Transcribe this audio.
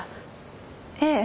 ええ。